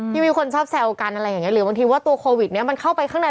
มีคนชอบแซวกันอะไรอย่างนี้หรือบางทีว่าตัวโควิดเนี้ยมันเข้าไปข้างใน